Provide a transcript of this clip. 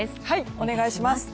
お願いします。